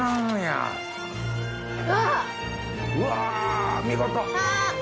うわ見事。